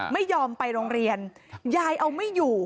ไม่ยอมไปโรงเรียนยายเอาไม่อยู่